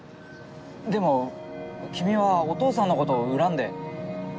でも君はお父さんの事を恨んで。